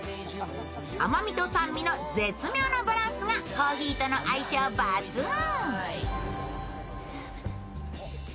甘みと酸味の絶妙なバランスがコーヒーとの相性抜群。